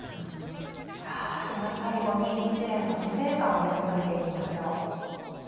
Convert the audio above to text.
さあでは最後に日蓮の死生観を読み解いていきましょう。